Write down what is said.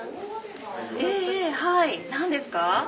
ええはい何ですか？